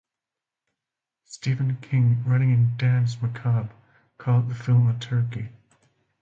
Stephen King, writing in "Danse Macabre," called the film a "turkey.